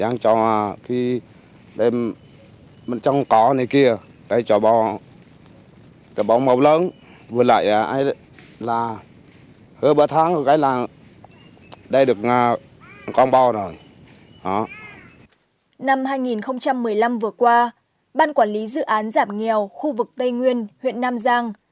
năm hai nghìn một mươi năm vừa qua ban quản lý dự án giảm nghèo khu vực tây nguyên huyện nam giang